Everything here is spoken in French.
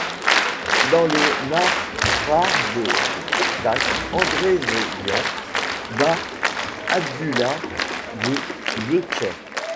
Dans le match phare de ce spectacle, André The Giant bat Abdullah the Butcher.